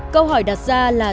câu hỏi đặt ra là